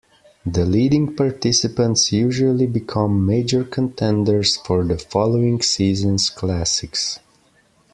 The leading participants usually become major contenders for the following season's Classics.